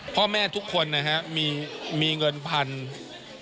พ่อแม่ทุกคนนะฮะมีเงินพันธุ์